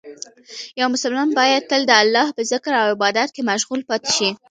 یو مسلمان باید تل د الله په ذکر او عبادت کې مشغول پاتې شي.